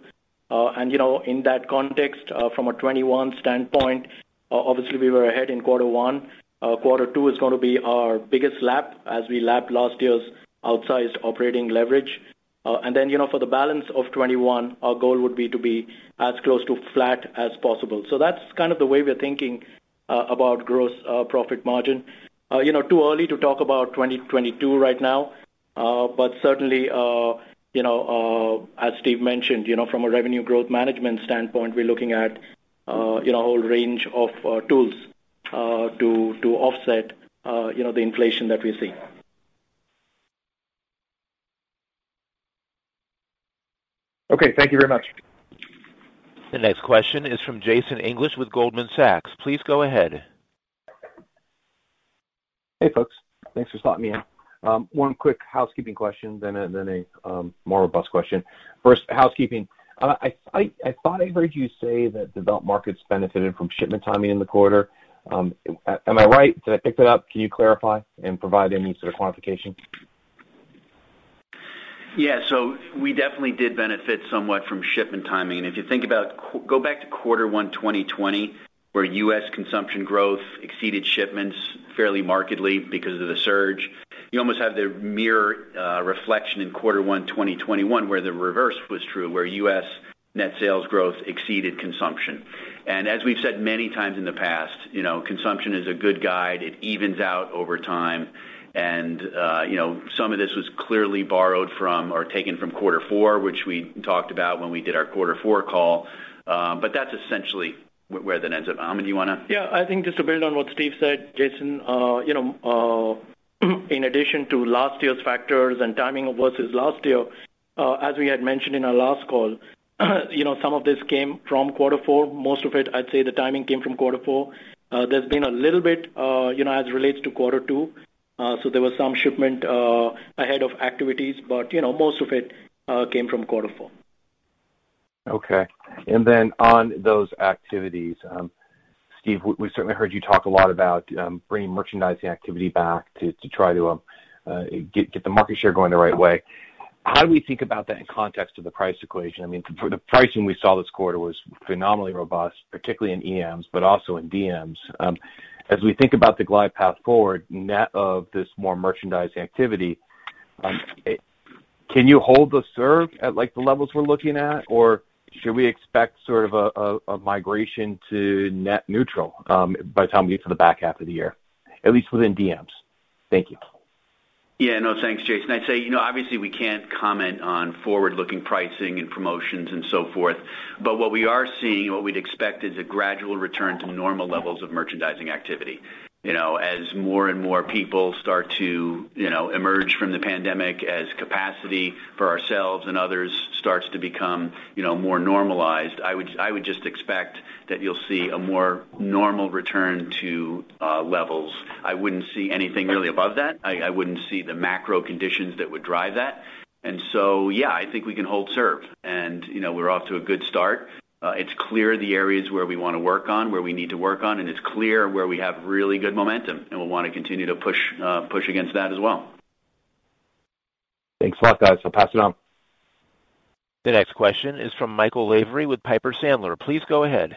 In that context, from a 2021 standpoint, obviously we were ahead in quarter one. Quarter two is going to be our biggest lap as we lap last year's outsized operating leverage. Then for the balance of 2021, our goal would be to be as close to flat as possible. That's kind of the way we're thinking about gross profit margin. Too early to talk about 2022 right now. Certainly, as Steve mentioned, from a revenue growth management standpoint, we're looking at a whole range of tools to offset the inflation that we're seeing. Okay. Thank you very much. The next question is from Jason English with Goldman Sachs. Please go ahead. Hey, folks. Thanks for slotting me in. One quick housekeeping question, then a more robust question. 1st, housekeeping. I thought I heard you say that Developed Markets benefited from shipment timing in the quarter. Am I right? Did I pick that up? Can you clarify and provide any sort of quantification? Yeah. We definitely did benefit somewhat from shipment timing. If you think about, go back to quarter one 2020, where U.S. consumption growth exceeded shipments fairly markedly because of the surge. You almost have the mirror reflection in quarter one 2021, where the reverse was true, where U.S. net sales growth exceeded consumption. As we've said many times in the past, consumption is a good guide. It evens out over time. Some of this was clearly borrowed from or taken from quarter four, which we talked about when we did our quarter four call. That's essentially where that ends up. Amit, do you want to? Yeah. I think just to build on what Steve said, Jason, in addition to last year's factors and timing of versus last year, as we had mentioned in our last call, some of this came from quarter four. Most of it, I'd say the timing came from quarter four. There's been a little bit as it relates to quarter two. There was some shipment ahead of activities, but most of it came from quarter four. Okay. On those activities, Steve, we certainly heard you talk a lot about bringing merchandising activity back to try to get the market share going the right way. How do we think about that in context of the price equation? I mean, the pricing we saw this quarter was phenomenally robust, particularly in EMs, but also in DMs. As we think about the glide path forward net of this more merchandising activity, can you hold the serve at like the levels we're looking at, or should we expect sort of a migration to net neutral by the time we get to the back half of the year, at least within DMs? Thank you. Yeah. No, thanks, Jason. I'd say, obviously we can't comment on forward-looking pricing and promotions and so forth. What we are seeing and what we'd expect is a gradual return to normal levels of merchandising activity. As more and more people start to emerge from the pandemic, as capacity for ourselves and others starts to become more normalized, I would just expect that you'll see a more normal return to levels. I wouldn't see anything really above that. I wouldn't see the macro conditions that would drive that. Yeah, I think we can hold serve, and we're off to a good start. It's clear the areas where we want to work on, where we need to work on, and it's clear where we have really good momentum, and we'll want to continue to push against that as well. Thanks a lot, guys. I'll pass it on. The next question is from Michael Lavery with Piper Sandler. Please go ahead.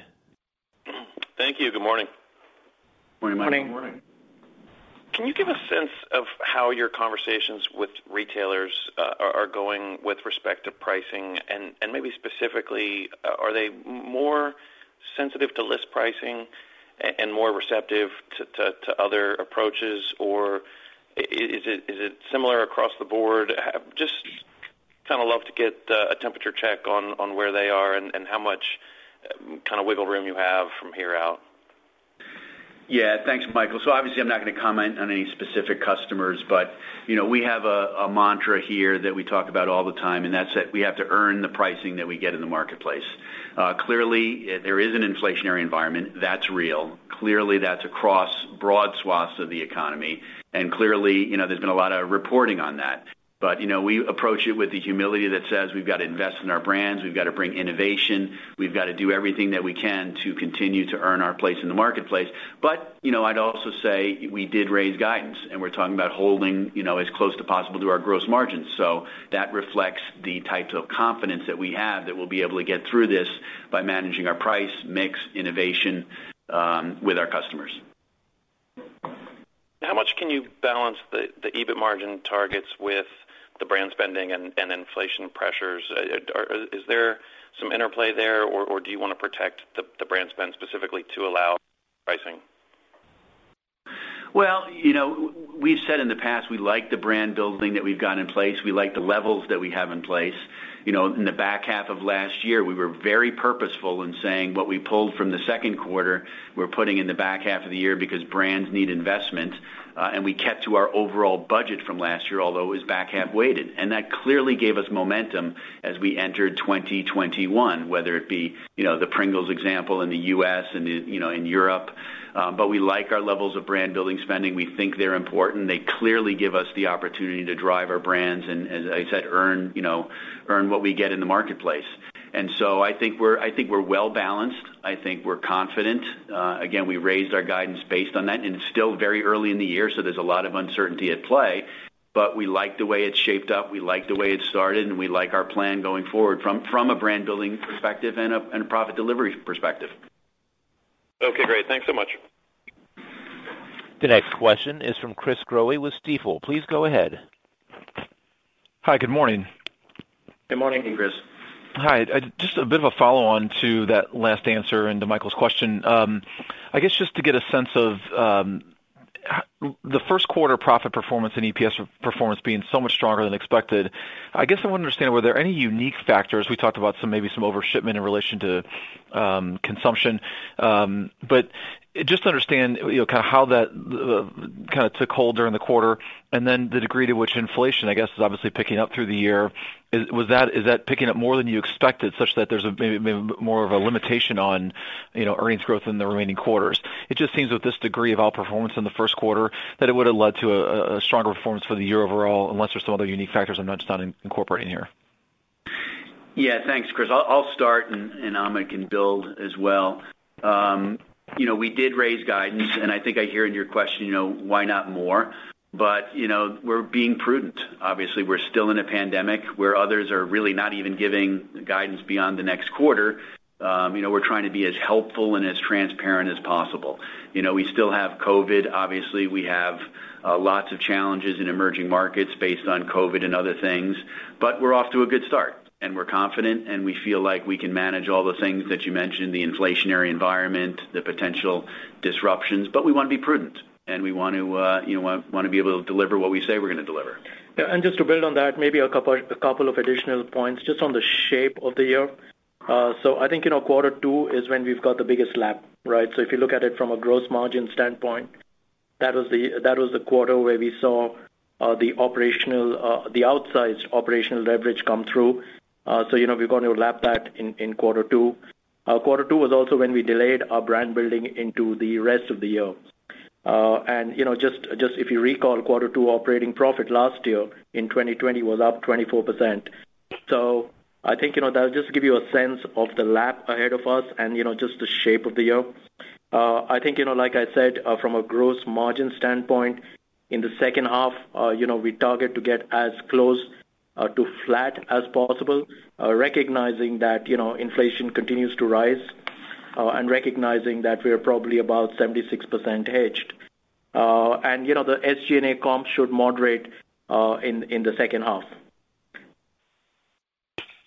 Thank you. Good morning. Morning. Morning. Can you give a sense of how your conversations with retailers are going with respect to pricing? Maybe specifically, are they more sensitive to list pricing and more receptive to other approaches, or is it similar across the board? Just love to get a temperature check on where they are and how much kind of wiggle room you have from here out? Yeah. Thanks, Michael. Obviously, I'm not going to comment on any specific customers, but we have a mantra here that we talk about all the time, and that's that we have to earn the pricing that we get in the marketplace. Clearly, there is an inflationary environment, that's real. Clearly, that's across broad swaths of the economy. Clearly, there's been a lot of reporting on that. We approach it with the humility that says we've got to invest in our brands, we've got to bring innovation, we've got to do everything that we can to continue to earn our place in the marketplace. I'd also say we did raise guidance, and we're talking about holding as close to possible to our gross margins. That reflects the types of confidence that we have that we'll be able to get through this by managing our price, mix, innovation, with our customers. How much can you balance the EBIT margin targets with the brand spending and inflation pressures? Is there some interplay there, or do you want to protect the brand spend specifically to allow pricing? Well, we've said in the past, we like the brand building that we've got in place. We like the levels that we have in place. In the back half of last year, we were very purposeful in saying what we pulled from the second quarter, we're putting in the back half of the year because brands need investment. We kept to our overall budget from last year, although it was back half-weighted. That clearly gave us momentum as we entered 2021, whether it be the Pringles example in the U.S. and in Europe. We like our levels of brand-building spending. We think they're important. They clearly give us the opportunity to drive our brands and, as I said, earn what we get in the marketplace. I think we're well-balanced. I think we're confident. We raised our guidance based on that, and it's still very early in the year, so there's a lot of uncertainty at play. We like the way it's shaped up, we like the way it started, and we like our plan going forward from a brand-building perspective and a profit delivery perspective. Okay, great. Thanks so much. The next question is from Chris Growe with Stifel. Please go ahead. Hi, good morning. Good morning. Morning, Chris. Hi. Just a bit of a follow-on to that last answer and to Michael's question. I guess just to get a sense of the first quarter profit performance and EPS performance being so much stronger than expected, I guess I want to understand, were there any unique factors? We talked about maybe some over-shipment in relation to consumption. Just to understand how that took hold during the quarter, and then the degree to which inflation, I guess, is obviously picking up through the year. Is that picking up more than you expected, such that there's maybe more of a limitation on earnings growth in the remaining quarters? It just seems with this degree of outperformance in the first quarter that it would have led to a stronger performance for the year overall, unless there's some other unique factors I'm just not incorporating here. Yeah. Thanks, Chris. I'll start, and Amit can build as well. We did raise guidance. I think I hear in your question, why not more? We're being prudent. Obviously, we're still in a pandemic where others are really not even giving guidance beyond the next quarter. We're trying to be as helpful and as transparent as possible. We still have COVID, obviously, we have lots of challenges in emerging markets based on COVID and other things, but we're off to a good start, and we're confident, and we feel like we can manage all the things that you mentioned, the inflationary environment, the potential disruptions, but we want to be prudent, and we want to be able to deliver what we say we're going to deliver. Just to build on that, maybe a couple of additional points just on the shape of the year. I think, quarter two is when we've got the biggest lap. Right? If you look at it from a gross margin standpoint, that was the quarter where we saw the outsized operational leverage come through. We're going to lap that in quarter two. Quarter two was also when we delayed our brand building into the rest of the year. Just if you recall, quarter two operating profit last year in 2020 was up 24%. I think that'll just give you a sense of the lap ahead of us and just the shape of the year. I think, like I said, from a gross margin standpoint, in the second half, we target to get as close to flat as possible, recognizing that inflation continues to rise, and recognizing that we are probably about 76% hedged. The SG&A comps should moderate in the second half.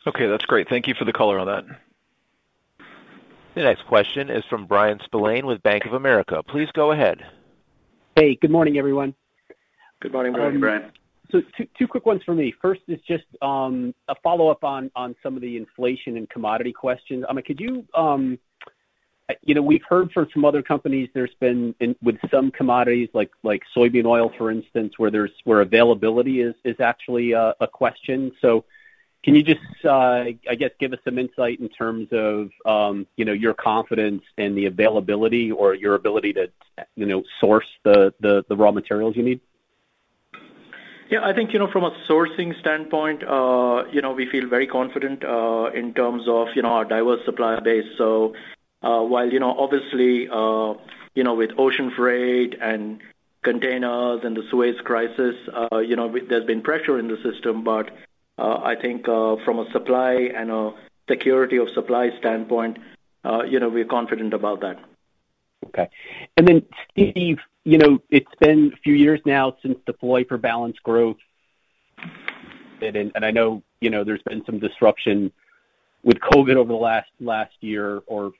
Okay. That's great. Thank you for the color on that. The next question is from Bryan Spillane with Bank of America. Please go ahead. Hey, good morning, everyone. Good morning, Bryan. Good morning, Bryan. Two quick ones from me. First is just a follow-up on some of the inflation and commodity questions. Amit, we've heard from some other companies there's been, with some commodities like soybean oil, for instance, where availability is actually a question. Can you just, I guess, give us some insight in terms of your confidence in the availability or your ability to source the raw materials you need? Yeah, I think from a sourcing standpoint, we feel very confident in terms of our diverse supplier base. While obviously, with ocean freight and containers and the Suez Crisis, there's been pressure in the system, but, I think, from a supply and a security of supply standpoint, we're confident about that. Okay. Steve, it's been a few years now since Deploy for Balanced Growth, I know there's been some disruption with COVID-19 over the last year or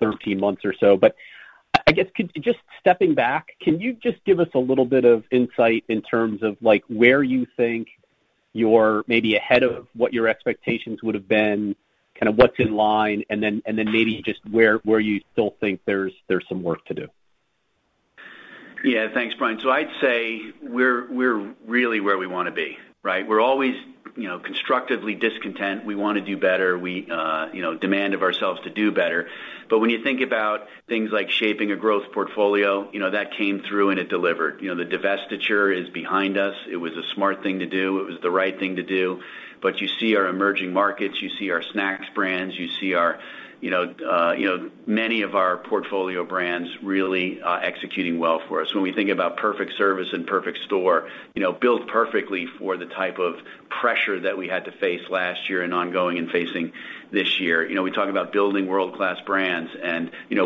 13 months or so. I guess, just stepping back, can you just give us a little bit of insight in terms of where you think you're maybe ahead of what your expectations would have been, kind of what's in line, and then maybe just where you still think there's some work to do? Yeah. Thanks, Bryan. I'd say we're really where we want to be, right? We're always constructively discontent. We want to do better. We demand of ourselves to do better. When you think about things like shaping a growth portfolio, that came through and it delivered. The divestiture is behind us. It was a smart thing to do. It was the right thing to do. You see our Emerging Markets, you see our snacks brands, you see many of our portfolio brands really executing well for us. When we think about perfect service and perfect store, built perfectly for the type of pressure that we had to face last year and ongoing and facing this year. We talk about building world-class brands,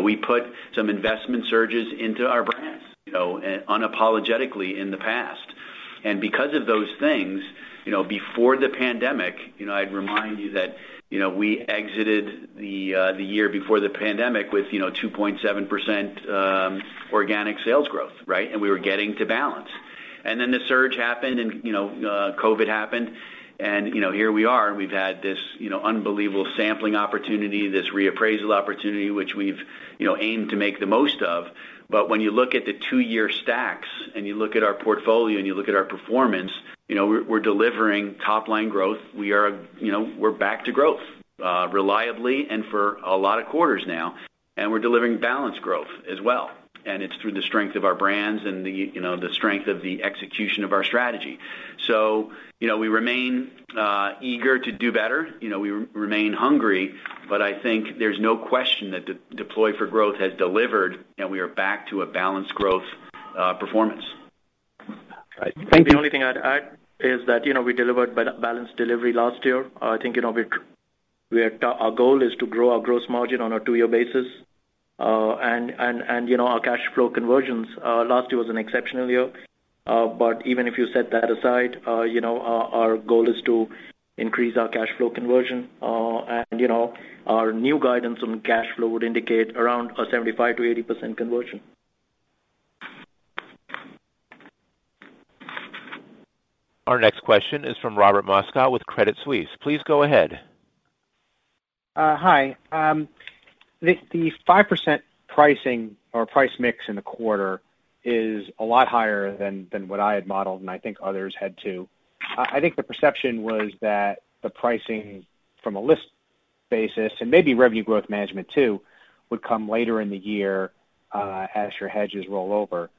we put some investment surges into our brands unapologetically in the past. Because of those things, before the pandemic, I'd remind you that we exited the year before the pandemic with 2.7% organic sales growth. Right? We were getting to balance. Then the surge happened and COVID-19 happened and here we are, and we've had this unbelievable sampling opportunity, this reappraisal opportunity, which we've aimed to make the most of. When you look at the two-year stacks and you look at our portfolio and you look at our performance, we're delivering top-line growth. We're back to growth, reliably and for a lot of quarters now, and we're delivering balanced growth as well. It's through the strength of our brands and the strength of the execution of our strategy. We remain eager to do better. We remain hungry, but I think there's no question that Deploy for Growth has delivered, and we are back to a balanced growth performance. All right. Thank you. The only thing I'd add is that we delivered balanced delivery last year. I think our goal is to grow our gross margin on a two-year basis. Our cash flow conversions, last year was an exceptional year. Even if you set that aside, our goal is to increase our cash flow conversion. Our new guidance on cash flow would indicate around a 75%-80% conversion. Our next question is from Robert Moskow with Credit Suisse. Please go ahead. Hi. The 5% pricing or price mix in the quarter is a lot higher than what I had modeled, and I think others had, too. I think the perception was that the pricing from a list basis and maybe revenue growth management too, would come later in the year as your hedges roll over.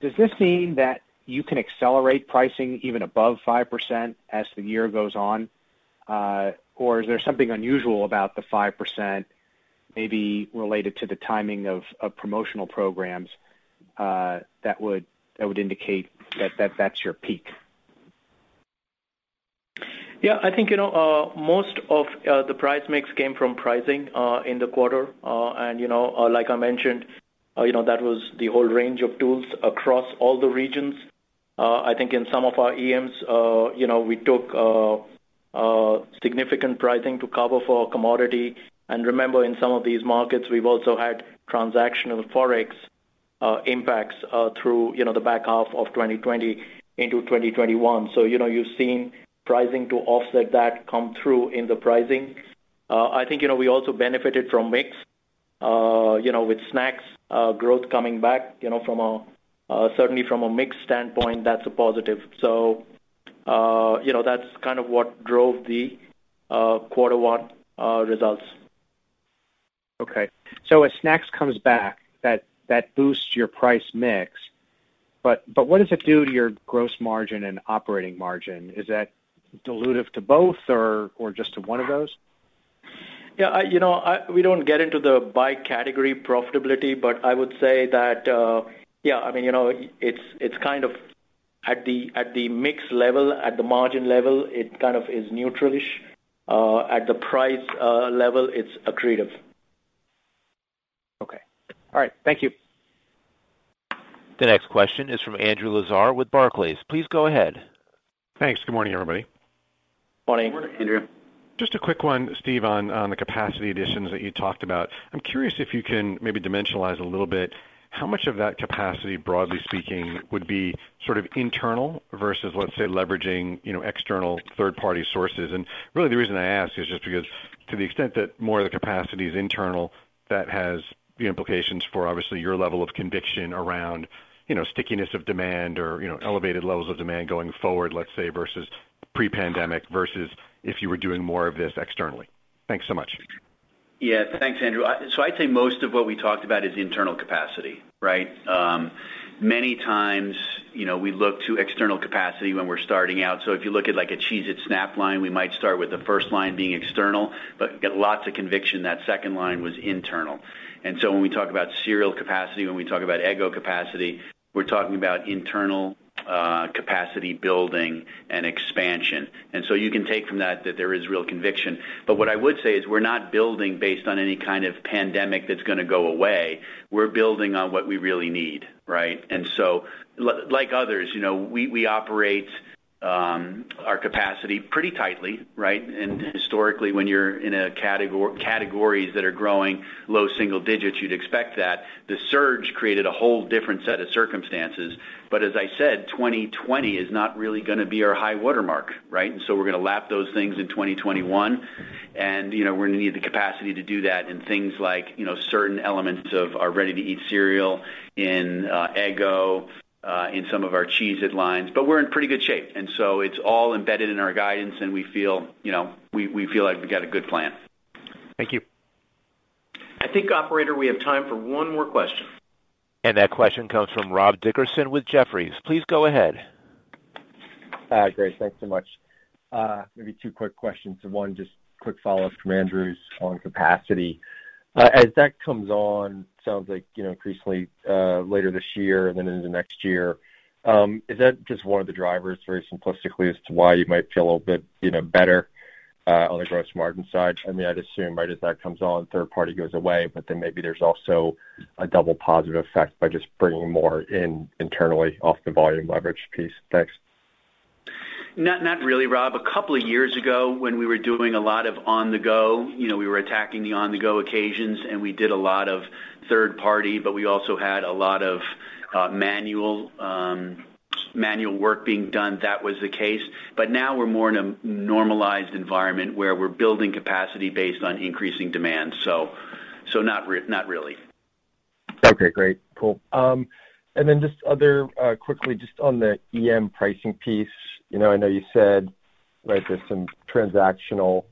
Does this mean that you can accelerate pricing even above 5% as the year goes on? Is there something unusual about the 5%, maybe related to the timing of promotional programs, that would indicate that that's your peak? Yeah, I think, most of the price mix came from pricing in the quarter. Like I mentioned, that was the whole range of tools across all the regions. I think in some of our EMs, we took significant pricing to cover for commodity. Remember, in some of these markets, we've also had transactional Forex impacts, through the back half of 2020 into 2021. You've seen pricing to offset that come through in the pricing. I think we also benefited from mix, with snacks growth coming back. Certainly from a mix standpoint, that's a positive. That's what drove the quarter one results. Okay. As snacks comes back, that boosts your price mix, but what does it do to your gross margin and operating margin? Is that dilutive to both or just to one of those? Yeah, we don't get into the by category profitability, but I would say that, yeah, it's at the mix level, at the margin level, it is neutral-ish. At the price level, it's accretive. Okay. All right. Thank you. The next question is from Andrew Lazar with Barclays. Please go ahead. Thanks. Good morning, everybody. Morning. Morning, Andrew. Just a quick one, Steve, on the capacity additions that you talked about. I'm curious if you can maybe dimensionalize a little bit how much of that capacity, broadly speaking, would be internal versus, let's say, leveraging external third-party sources? Really the reason I ask is just because to the extent that more of the capacity is internal, that has implications for obviously your level of conviction around stickiness of demand or elevated levels of demand going forward, let's say, versus pre-pandemic versus if you were doing more of this externally. Thanks so much. Yeah. Thanks, Andrew. I'd say most of what we talked about is internal capacity, right? Many times, we look to external capacity when we're starting out. If you look at like a Cheez-It Snap'd line, we might start with the first line being external, but got lots of conviction that second line was internal. When we talk about cereal capacity, when we talk about Eggo capacity, we're talking about internal capacity building and expansion. You can take from that there is real conviction. What I would say is we're not building based on any kind of pandemic that's gonna go away. We're building on what we really need, right? Like others, we operate our capacity pretty tightly, right? Historically, when you're in categories that are growing low single digits, you'd expect that. The surge created a whole different set of circumstances. As I said, 2020 is not really gonna be our high water mark, right? We're gonna lap those things in 2021 and we're gonna need the capacity to do that in things like certain elements of our ready-to-eat cereal in Eggo, in some of our Cheez-It lines. We're in pretty good shape, and so it's all embedded in our guidance, and we feel like we got a good plan. Thank you. I think, operator, we have time for one more question. That question comes from Rob Dickerson with Jefferies. Please go ahead. Great. Thanks so much. Maybe two quick questions. One, just quick follow-up from Andrew's on capacity. As that comes on, sounds like increasingly, later this year and then into next year, is that just one of the drivers, very simplistically, as to why you might feel a little bit better, on the gross margin side? I'd assume as that comes on, third party goes away, maybe there's also a double positive effect by just bringing more in internally off the volume leverage piece. Thanks. Not really, Rob. A couple of years ago when we were doing a lot of on-the-go, we were attacking the on-the-go occasions, and we did a lot of third-party, but we also had a lot of manual work being done. That was the case. Now we're more in a normalized environment where we're building capacity based on increasing demand. Not really. Okay. Great. Cool. Just other, quickly just on the EM pricing piece. I know you said there's some transactional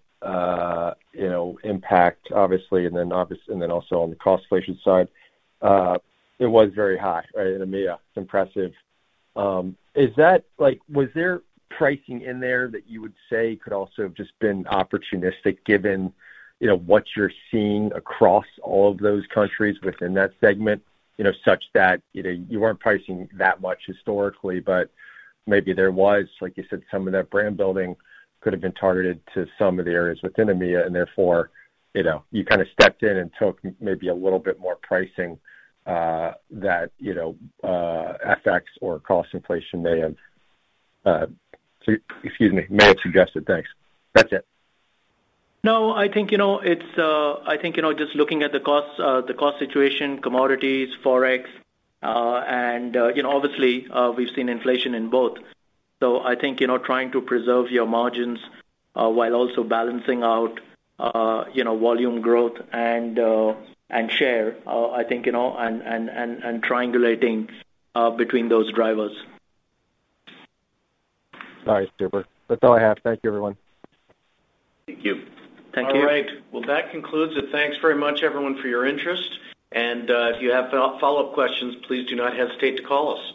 impact obviously, and then also on the cost inflation side, it was very high in EMEA. It's impressive. Was there pricing in there that you would say could also have just been opportunistic given what you're seeing across all of those countries within that segment, such that you weren't pricing that much historically, but maybe there was, like you said, some of that brand building could have been targeted to some of the areas within EMEA and therefore, you stepped in and took maybe a little bit more pricing, that FX or cost inflation may have suggested? Thanks. That's it. No, I think, just looking at the cost situation, commodities, Forex, and obviously, we've seen inflation in both. I think trying to preserve your margins, while also balancing out volume growth and share, I think, and triangulating between those drivers. All right, super. That's all I have. Thank you everyone. Thank you. Thank you. All right. Well, that concludes it. Thanks very much everyone for your interest, and if you have follow-up questions, please do not hesitate to call us.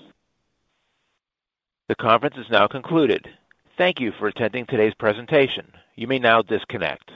The conference is now concluded. Thank you for attending today's presentation. You may now disconnect.